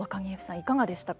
いかがでしたか？